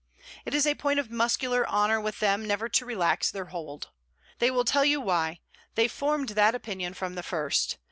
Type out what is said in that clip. It is a point of muscular honour with them never to relax their hold. They will tell you why: they formed that opinion from the first.